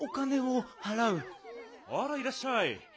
あらいらっしゃい。